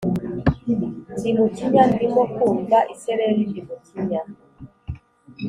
ndi mukinya, ndimo kumva isereri ndi mukinya,